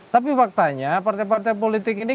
tapi faktanya partai partai politik ini